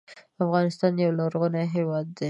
افغانستان یو لرغونی هېواد دی.